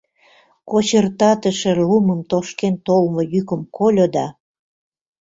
Кочыртатыше лумым тошкен толмо йӱкым кольо да